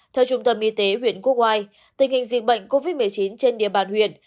theo trung tâm y tế huyện quốc oai tình hình dịch bệnh covid một mươi chín trên địa bàn huyện